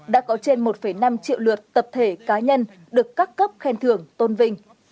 đã có trên một năm triệu lượt tập thể cá nhân được các cấp khen thưởng tôn vinh